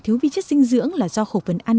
thiếu vi chất dinh dưỡng là do khẩu phần ăn